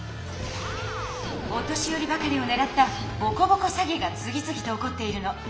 お年よりばかりをねらったボコボコ詐欺が次つぎと起こっているの。